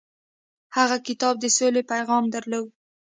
هغه کتاب د سولې پیغام درلود.